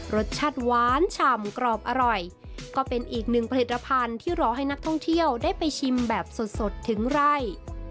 รสชาติหวานฉ่ำกรอบอร่อยก็เป็นอีกหนึ่งผลิตภัณฑ์ที่รอให้นักท่องเที่ยวได้ไปชิมแบบสดถึงไร่